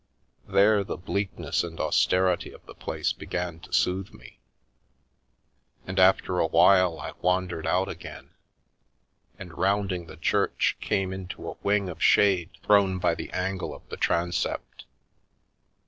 There the bleakness and austerity of the place began to soothe me, and after a while I wandered out again, and, rounding the church, came into a wing of shade thrown by the angle of the transept.